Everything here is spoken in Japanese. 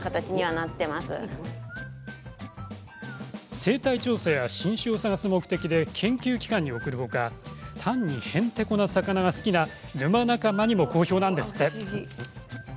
生態調査や新種を探す目的で研究機関に送るほか単に、へんてこな魚が好きな沼仲間にも好評なんですって。